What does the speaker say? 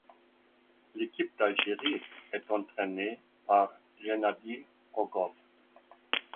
L'équipe d'Algérie est entraînée par Guennadi Rogov.